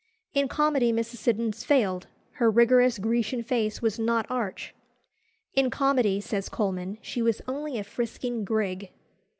In comedy Mrs. Siddons failed; her rigorous Grecian face was not arch. "In comedy" says Colman, "she was only a frisking grig."